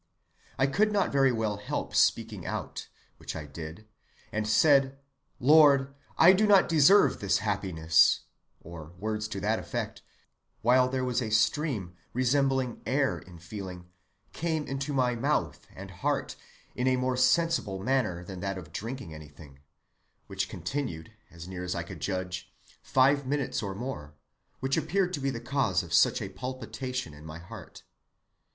I could not very well help speaking out, which I did, and said, Lord, I do not deserve this happiness, or words to that effect, while there was a stream (resembling air in feeling) came into my mouth and heart in a more sensible manner than that of drinking anything, which continued, as near as I could judge, five minutes or more, which appeared to be the cause of such a palpitation of my heart.